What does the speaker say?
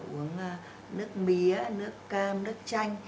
uống nước mía nước cam nước chanh